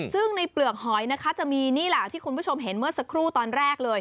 ซึ่งในเปลือกหอยนะคะจะมีนี่แหละที่คุณผู้ชมเห็นเมื่อสักครู่ตอนแรกเลย